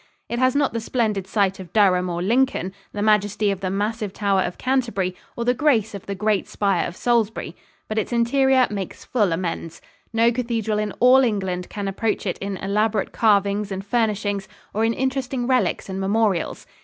It has not the splendid site of Durham or Lincoln, the majesty of the massive tower of Canterbury, or the grace of the great spire of Salisbury. But its interior makes full amends. No cathedral in all England can approach it in elaborate carvings and furnishings or in interesting relics and memorials.